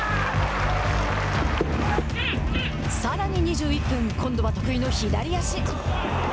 さらに２１分、今度は得意の左足。